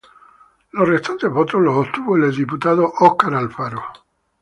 Los restantes votos los obtuvo el exdiputado Óscar Alfaro.